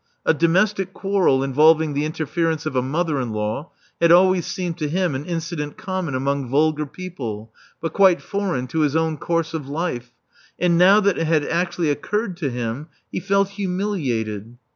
A domestic quarrel involving the interference of a mother in law had always seemed to him an incident common among vulgar people, but quite foreign to his own course of life ; and now that it had actually occurred to him, he felt humiliated.